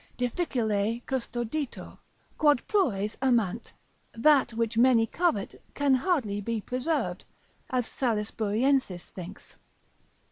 Difficile custoditur, quod plures amant; that which many covet, can hardly be preserved, as Salisburiensis thinks.